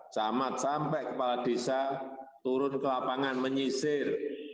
camat sampai kepala desa turun ke lapangan menyisir